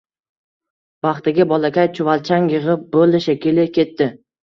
Baxtiga, bolakay chuvalchang yigʻib boʻldi, shekilli, ketdi